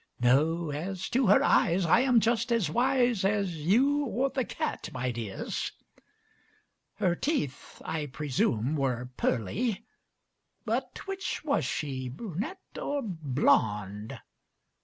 No! as to her eyes I am just as wise As you or the cat, my dears. Her teeth, I presume, were ŌĆ£pearly:ŌĆØ But which was she, brunette or blonde?